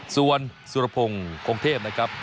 ส่วนสุรพงศ์คงเทพนะครับ